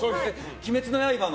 「鬼滅の刃」の。